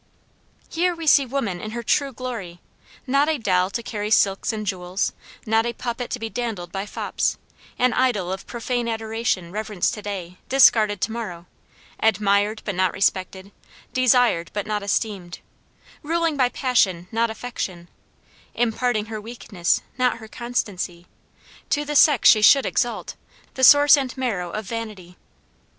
Here we see woman in her true glory, not a doll to carry silks and jewels, not a puppet to be dandled by fops, an idol of profane adoration reverenced to day, discarded to morrow, admired but not respected, desired but not esteemed, ruling by passion not affection, imparting her weakness not her constancy, to the sex she should exalt the source and marrow of vanity.